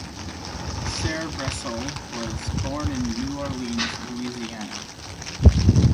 Sarebresole was born in New Orleans, Louisiana.